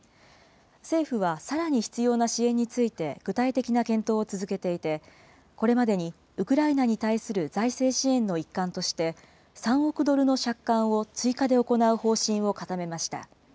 政府はさらに必要な支援について、具体的な検討を続けていて、これまでにウクライナに対する財政支援の一環として、３億ドルの借款を追加で行う方針を固めました。